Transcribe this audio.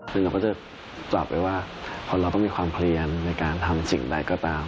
ซึ่งเราก็จะตอบไปว่าพอเราต้องมีความเพลียนในการทำสิ่งใดก็ตาม